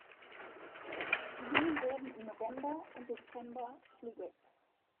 Die Jungen werden im November und Dezember flügge.